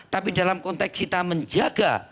tapi dalam konteks kita menjaga